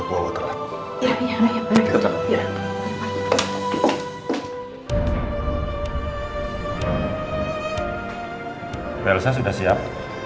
bu elsa sudah siap